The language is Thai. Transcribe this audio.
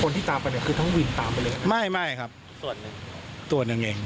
คนที่ตามไปเนี่ยคือทั้งวิจารณีตามไปเลยนะ